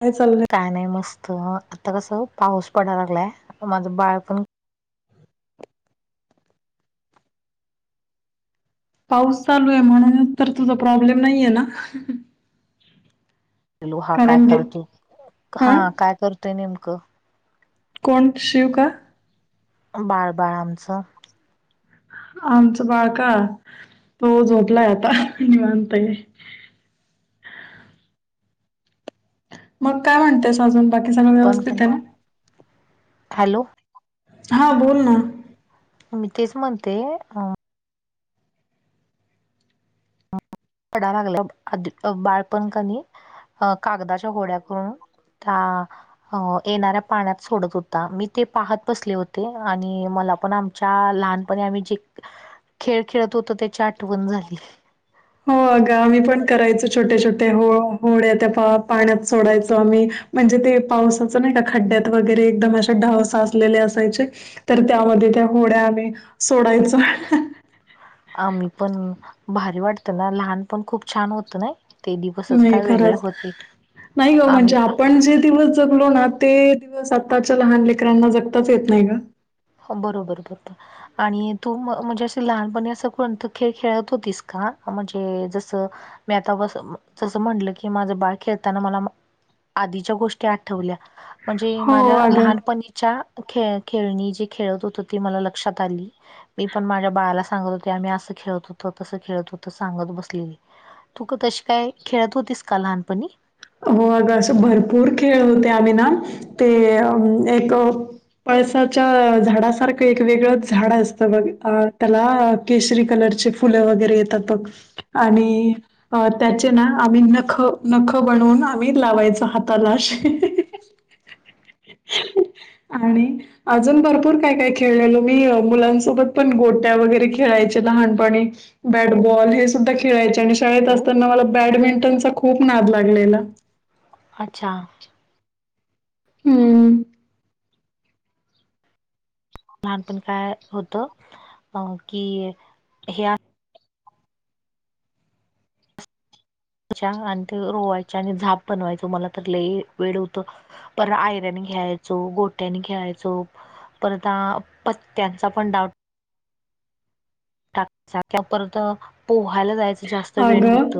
काय चालय का नाही मस्त आता कसं पाऊस पडायला लागलाय माझं बाळ पण पाऊस चालू आहे म्हणून तर तुझा प्रॉब्लेम नाहीये ना लो हा काय कारण की करतो हा काय करतोय नेमकं कोण शिव का बार बार आमचं आमचं बाळ का तो झोडलाय आता मानताय मग काय म्हणते साजून बाकी सगळं आपण व्यवस्थित आहे ना खालो हां बोल ना मी तेच म्हणते पडा लागला बाळपणखांनी अ कागदाच्या घोड्या करून हा अ येणाऱ्या पाण्यात सोडत होता मी ते पाहत बसले होते आणि मला पण आम लहानपणी आम्ही जे खेळ खेळत होतो त्याची आठवण झाली हो अगा आम्ही पण करायचो छोटे छोटे हो होड्या त्या पाण्यात सोडायचो आम्ही म्हणजे ते पावसाचं नाही का खड्ड्यात वगैरे एकदम अशा ढाव साचलेले असायचे तर त्यामध्ये त्या होड्या आम्ही सोडायच आ मही पण भारी वाटत ना लहान पण खूप छान होत ना ते दिवसच नाही काय वेगळे होते आम्ही पण जे दिवस जगलो ना ते दिवस आताच्या लहान लेकरांना जगताच येत नाही का हो बरोबर बरोर आणि तू म्हणजे अशी लहानपणी असं कोणत खेळ खेळत होतीस का म्हणजे जसं मी आता बस जसं म्हटलं की माझं बाळ खेळताना मला आधीच्या गोष्टी आठवल्या म्हणजे हो माझ्या अगं. लहानपणीच्या खेळ खेळणी जे खेळत होत तेी मला लक्षात आली मी पण माझ्या बाळाला सांगत होते आम्ही असं खेळत होत तसं खेळत होत सांगत बसलेली तू का तशी काय खेळत होतीस का लहानपणी हो अगं असं भरपूर खेळ होते आम्ही ना ते एक पळसाच्या झाडासारखं एक वेगळंच झाड असतं मग त्याला केसरी कलरचे फुलं वगैरे येतात बग आणि त्याचे ना आम्ही नख न बनवून आम्ही लावायच हातालाश आणि अजून भरपूर काय काय खेळलेलो मी मुलांसोबत पण गोट्या वगैरे खेळायचे लहानपणी बॅटबॉल हे सुद्धा खेळायचे आणि शाळेत हो असताना मला बॅडमिंटनचा खूप नाद लागलेला अच्छा हम्म लहानपण काय होत की आणि ते रोवायच्या आणि झाप बनवायचं मला तर ल वेळ होत पर आयरन घ्यायचो गोट्यानी घ्यायचो परता पत्यांचा पण डाऊट र्ंत पोहायला जायच जास्त वेळ अगं होत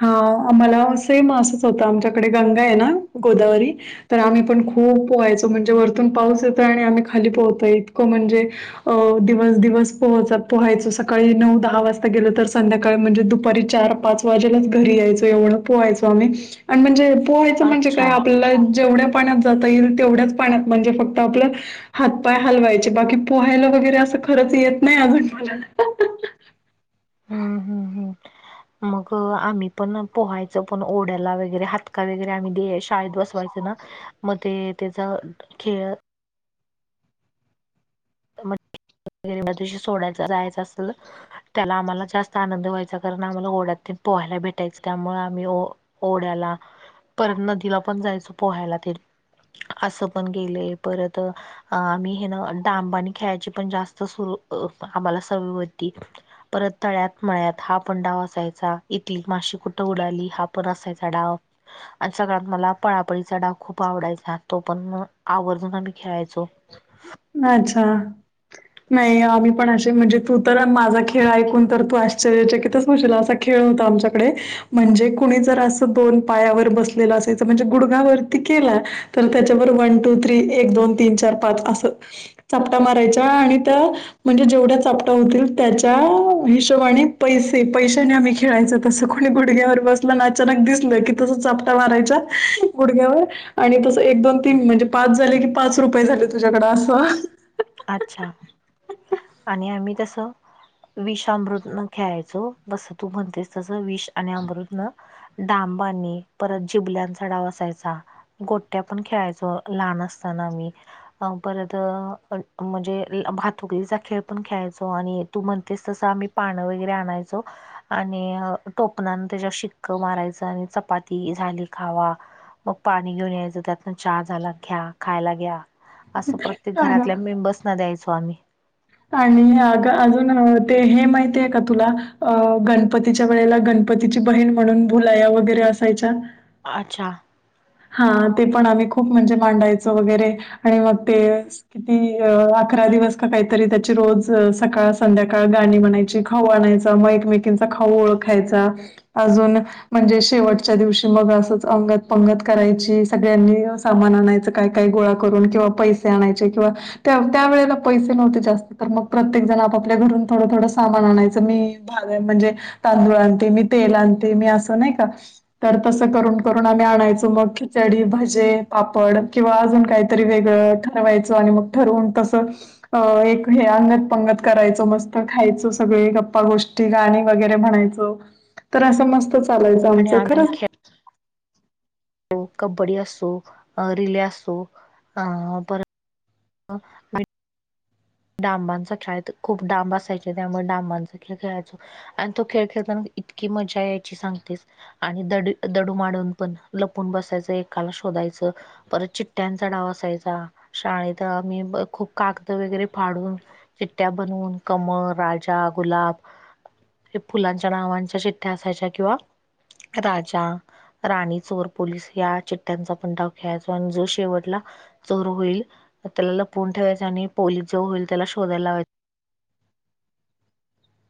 हा आम्हाला सेम असंच होतं आमच्याकडे गंगा आहे ना गोदावरी तर आम्ही पण खूप पोहायचो म्हणजे वरतून पाऊस येतो आणि आम्ही खाली पोहतोय इतकं म्हणजे अ दिवस दिवस पोहच पोहायचो सकाळी नऊ दहा वाजता गेलो तर संध्याकाळी म्हणजे दुपारी चार पाच घरी यायचो एवढं पोहायचो आम्ही आणि म्हणजे पोहायचं म्हणजे काय अच्छा. आपल्याला जेवढ्या पाण्यात जाता येईल तेवढ्याच पाण्यात म्हणजे फक्त आपलं हातपाय हलवायचे बाकी पोहायला वगैरे असं खरंच येत नाही अजूनलाला हम्म हम् हम् मग आम्ही पण पोहायच पण ओढ्याला वगरे हातका वगरे आम्ही दे शाळद बसवायचं ना मग ते त्याचा खेळ म्हणज वगैरेशी सोडायचं जाहायचं असेल त्याला आम्हाला जास्त आनंद व्हायचा कारण आम्हाला गोड्यात पोहायला भेटायच त्यामुळे आम्ही ओढ्याला प नदीला पण जायच पोहायला ते असं पण गेले परत आम्ही हे ना तांबा आणि खेळाची पण जास्त सुरू आम्हाला सव होती परत तळ्यात मळ्यात हा पण डाव असायचा इथली माशी कुठं उडाली हा पण असायचा डाव आणि सगळ्यात मला पळापळीचा डाग खूप आवडायचा तो पण आवर्जून आम्ही खेळायचो. अच्छा नाही आम्ही पण असे म्हणजे तू तर माझा खेळ ऐकून तर तू अ आचकित होशला असा खेळ होता आमच्याकडे म्हणजे कुणी जर असं दोन पायावर बसलेलं असेल म्हणजे गुडगा वरती केला तर त्याच्यावर वन टू थ्री एक दोन तीन चार पाच असं चापटा मारायचा आणि त्या म्हणजे जेवढ्या चापटा होतील त्याच्या हिशोबाने पैसे पैशाने आम्ही खेळायच. तसं कोणी गुडघ्यावर बसलं आणि अचानक दिसल की तस पटा मारायचा गुडघ्यावर आणि तसं एक दोन तीन म्हणजे पाच झाले की पाच रुपये झाले तुझ्याकड असं अच्छा. आणि आम्ही तस विषामृत खेळायचो बस तू म्हणतेस जस विष आणि अमृत न डांबानी परत जिबल्यांचा डावसायचा गोट्या पण खेळायचो लहान असताना मी अ परत म्हणजे भ ठुकलीचा खेळ पण खेळायचो आणि तू म्हणतेस तसं आम्ही पाणं वगैरे आणायचो आणि टोपनान त्याच्या शिक्क मारायचं आणि चपाती झाली खावा मग पाणी घेऊन यायचं त्यातनं चहा झाला घ्या खायला घ्या. असं प्रत्येक सांगा. घरातल्या मेंबर्स ना द्यायचो आम्ही. आणि अग अजून ते हे माहिती आहे का तुला अ गणपतीच्या वेळेला गण गणपतीची बहीण म्हणून भुलाया वगैरे असायच्या अच्छा. हा ते पण आम्ही खूप म्हणजे मांडायचो वगैरे आणि मग ते किती अकरा दिवस का काहीतरी त्याची रोज सकाळ संध्याकाळ गाणी म्हणायची खाऊ आणायचा मैत मेटंचा खाऊ ओळखायचा अजून म्हणजे शेवटच्या दिवशी मग असंच अंगद पंगत करायची सगळ्यांनी सामान आणायचं काय काय गोळा करून किंवा पैसे आणायचे किंवा त्या त्या वेळेला पैसे नव्हते जास्त तर मग प्रत्येक जण आपापल्या घरून थोडं थोडं सामान आणायचं मी म्हणजे तांदूळ आणते मी तेल आणते मी असं नाही का तर तसं करून करून आम्ही आणायच मग खिचडी भजे पापड किंवा अजून काहीतरी वेगळं ठरवायचं आणि मग ठरवून तसं अ एक हे अंगत पंगत करायचं मस्त खायचं सगळे गप्पा गोष्ट गाणी वगैरे म्हणायचं तर असं मस्त चालायचं आणि आमचं खरं कब्डी असो रले असो हो डांबांचा खेळ तर खूप डांब असयचे त्यामुळे डांबांचा खेळ खेळायचो. आणि तो खेळ खेळताना इतकी मजा यायची सांगतेस आणि दड दडू माडून पण लपून बसायचं एकाला शोधायचं. परत चिट्ट्यांचा डाव असायचा शाळेत आम्ही खूप कागद वगैरे फडून चिट्ट्या बनवून कमळ राजा गुलाब हे फुलांच्या नावांच्या चीठ्ठ्या असायच्या किंवा राजा राणी चोर पोलीस या चिट्ट्यांचा पण डाव खेळायचाो आणि जो शेवटला चोर होईल त्याला लपवून ठेवायच आणि पोलीस जो होईल त्याला शोधायला लावायचा.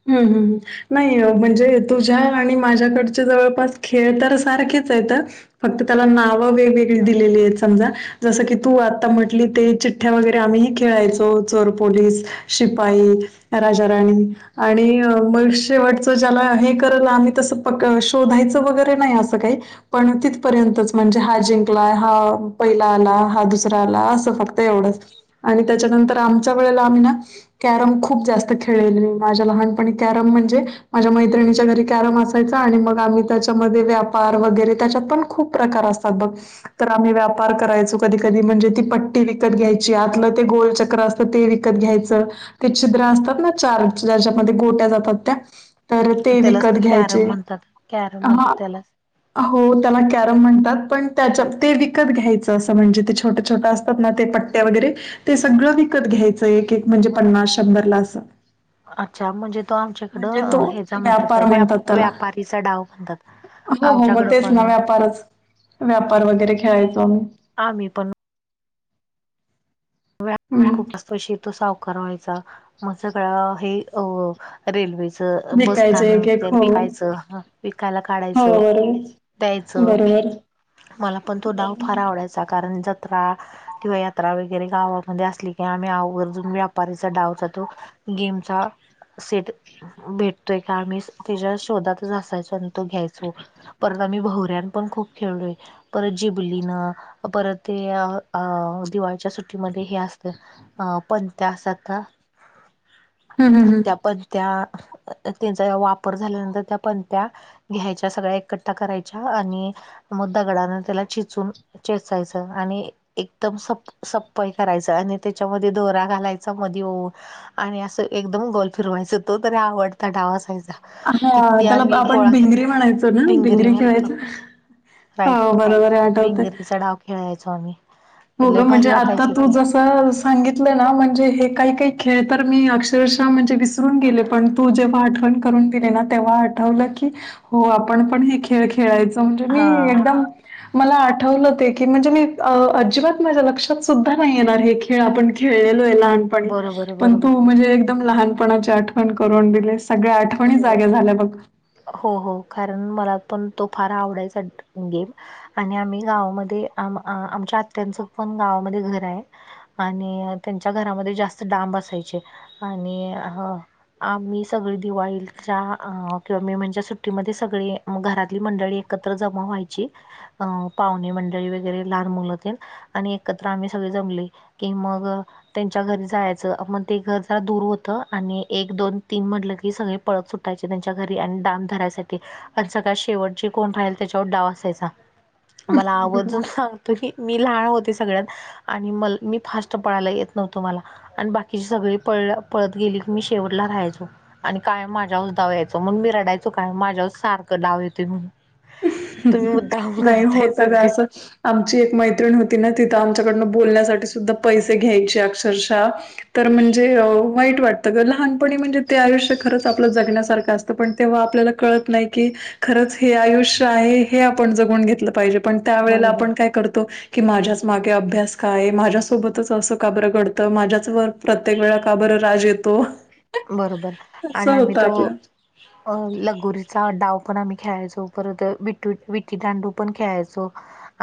हम् हम. नाही म्हणजे तुझ्या आणि माझ्याकडचे जवळपास खेळ तर सारखेच आहेत तर फक्त त्याला नाव वेगवेगळी दिलेली आहेत समजा जसं की तू आता म्हटली ते च वगैरे आम्ही खेळायचो चोरपोलीस शिपाई राजााराणी आणि मयुष्यवटचं ज्याला हे कल आम्ही तसं प शोधायचं वगैरे नाही असं काही पण तिथपर्यंतच म्हणजे हा जिंकला हा पहिला आला हा दुसरा आला असं फक्त एवढंच आणि त्याच्यानंतर आमच्या वेळेला आम्ही ना कॅरम खूप जास्त खेळले. माझ्या लहानपनी केंरम म्हणजे माझ्या मैत्रच्या घरी केंरम असायग आम् त्याच्या पार वगैरे त्याच्यात पण खूप प्रकार असतात बघ तर आम्ही व्यापार करायचो कधी कधी म्हणजे ती पट्टी विकत घ्यायची आतलं ते गोलचक्र अस ते विकत घ्यायचं ते छिद्र असतात ना चार ज्याच्यामध्ये गोट्या जातात त्या तर ते त्यालाच विकत तर घ्यायचे कॅरम म्हणतात कॅरम म्हणतात हा त्यालाच हो त्याला कॅरम म्हणतात पण त्याच्या ते विकत घ्यायचं असं म्हणजे ते छोटं छोटं असतात ना ते प त्या वगैरे ते सगळं विकत घ्यायचं एक एक म्हणजे पन्नास शंभरला असं अच्छा म्हणजे तो म्हणजे तो आमच्याकडं हचा म्हणतात व्यापार व त्याला व्यापारीचा डाव म्हणतात हो हो मग आमच्याकडं तेच ना पण व्यापारच व्यापार वगैरे खेळायचो आम्ही आ मी पण व हम् शी तो सावकार व्हायचा मग सगळा हे अ रेल्वेचं विकायचे एक बसस्थानक एक हो विकायचं विकायला हो काढायचं बरोबर द्यायचं बरोबर मला पण तो डाव फार आवडायचा कारण जत्रा किंवा यात्रा वगै वगैरे गावामध्ये असली कि आम्ही आरून व्यापारीचा डावचा तो गेमचा सेट भेटतोय का आम्ही त्याच्या शोधातच असायचो आणि तो घ्यायचो परत आम्ही भवऱ्यांन पण खूप खेळलोय परत जिबली न परत ते अ दिवाळीच्या सुट असत पंथ असत हम्म हम्म हम्म. त्या पं त्या त्यांचा वापर झाल्यानंतर त्या पण त्या्या घ्यायच्या सगळ्या एकट्ठा करायच्या आणि म दगडाने त्याला चिचून चेचायचं आणि एकदम सप सप सपाई करायचा आणि त्याच्यामध्ये दोरा घालायचा मध आणि असं एकदम गोल फिरवायचं तो तरी आवडता डावा असयचा हा किती त्याला आम्ही आपण कोळा कर भिंगरी म्हणायचो ना भिंगरी म्हणतो खेळायचो राईट हो बरोबर आहे आठवतय बिंगरीचा डाव खेळायचो आम्ही. हो ग लय भारी म्हणजे आता वाटायचं तू ते जसा. सांगितले ना म्हणजे हे काही काही खेळ तर मी अक्षरशः म्हणजे. पण जेव्हा आठव करून दि तेव्हा आ क आपण पण. खेळ खेळायच म्हणजे मी हा एकदम मला आठवलं ते की म्हणजे मी. अजिबात माझ्या लक्षात सुद्धा नाही येणार हे खेळ आपण खेळलेलो आहे ल. बरोबर पण बरोबर तू म्हणजे एकम लहानपणाची आठवण करून दिले सगळ्या. कोणी बरोबर जागे झाल्या बघ. हो हो कारण मला पण तो फार आवडायचा गेम. आणि आम्ही गावामध्ये आमच्या आत्यांचं पण गावामध्ये घर आहे. आणि त्यांच्या घरामध्ये जास्त डांब असायचे. आणि ह आम्ही सगळी. दिवाळीच्या किंवा मी म्हणे सुट्टीमध्ये सगळी घरातली मंडळी एकत्र जमा व्हायची अं पाहुणे मंडळी वगैरे लहान मुलंतील आणि एकत्र आम्ही सगळे जमले. कि मग. त्यांच्या घरी जायचं आपण ते घर जरा दूर होत आणि एक दोन तीन म्हटलं. ही सगळी पळख सुटायचे त्यांच्या घरी आणि दाम धरायसाठी. आणि सगळ्या शेवटचे कोण राहील त्याच्यावर डाव असायचा मला आवर्जून सांग. त मी लहान होते सगळ्यात आणि म मी फास्ट पळायला येत नव्हतो मला. आणि बाकीची सगळी पळ पळत गेली की मी शेवटला राहायचो. आणि काय माझ्यावरच डववायचं मण मी रडायचो काय माझ्यावर सारखं डाव येते म्हण. नाही होतच सगळे असं. आमची एक मैत्रिण होती ना तिथं आमच्याकडनं बोलण्यासाठी सुद्धा पैसे घ्यायचे अक्षरशः तर म्हणजे वाईट वाटतं ग लहानपणी म्हणजे ते आयुष्य खरंच आपलं जगण्यासारखं असत. ण तेव्हा आपल्याला कत नाही की खरच आ.. आपण जून घेतलं पाहिजे पण त्या वेळेला बरोबर आपण काय करतो.. की माझ्याच मागे अभ्यास काय माझ्यासोबतच असं काब्रं घडतं माझ्याच वर्क.. प्रत्येक वेळा का बरं राज येतो.. बरोबर असं आणि आम्ही होतं तो.. [inaudible] अ लगोरीचा डाव पण आम्ही खेळायचो परत विू विटीदांडू पण खेळायचो..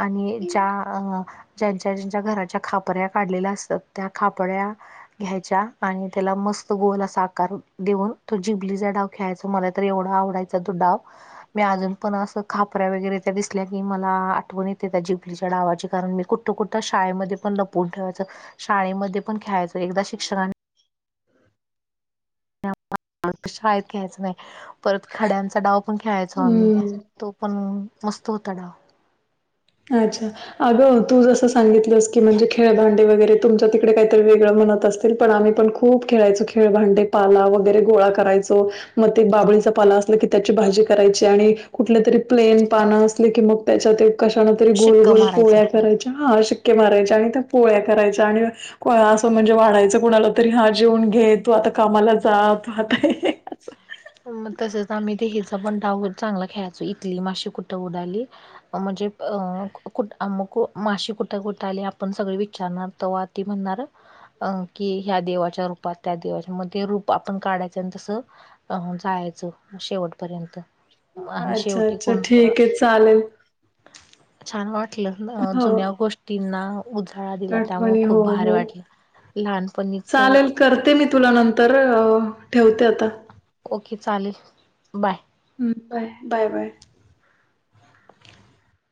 आणि ज्या अ.. ज्यांच्या ज्यांच्या घराच्या खापऱ्या काढलेल्या असतात त्या खापऱ्या.. घ्यायच्या आणि त्याला मस्त गोल अस.. साकार देऊन तो जिबलीचा डाव खेयचा मला तर एवढा आवडायचा तो डाव.. मी अजून पण असं खापऱ्या वगैरे त्या दिसल्या की मला आठवण येते त्या जिपलीच्या डावाची कारण मी कुठ.. कुठं शाळेमध्ये पण लपून ठेवायचं शाळेमध्ये पण खेळायचं एकदा शिक्षक.. शाळेत खेळायचं नाही परत खड्यांचा डाव पण खेळायचो आम्ही.. हम्म तो पण मस्त होता डाव. अच्छा अगं तू जसं सांगितलंस की म्हणजे खेळबांडे वगैरे.. तुमच्या तिकडे काहीतरी वेगळं म्हणत असतील पण आम्ही पण खूप खेळायचो खेळ भांडे पाला वगैरे गोळा करायचो.. मग ते बाबळीचा पाला असला की त्याची भाजी करायची आणि कुठल्या तरी प्लेन पानं असली की मग त्याच्यात.. तरी गोल शिक्क गोल मारायचा पोळ्या करायच्या हा शिक्के मारायचे आणि त्या पोळ्या करायच्या आणि.. असं म्हणजे वाढायचं कुणाला तरी हा जेवन घे तू आता कामाला जा तू आता.. असं. मग तसंच आम्ही ते हचा पण डाव चांगला खेळायचो इथली मशी कुठं उडाली.. म्हणजे अ कुठ मग माशी कुठं कुठं आली आपण सगळे विचारणार त.. ती म्हणणार.. अं कि ह्या देवाच्या रूपात त्या देवाच्या मध्ये रूप आपण काढायचं तसं.. अ जायचं शेवटपर्यंत.. आणि अच्छा शेवटी अच्छा कोण ठीक आहे चालेल.. छान वाटलं हो, जुन्या गोष्टींना उजाळा दिला त्यामु आठवणी. हो, खूप भारी हो. वाटलं. लहानपणीच. चालेल करते मी तुला नंतर ठेवते आता. ओके चालेल बाय. हम् बाय बाय बाय.